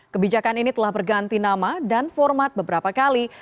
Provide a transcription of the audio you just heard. kebijakan ini telah berganti nama dan format beberapa kali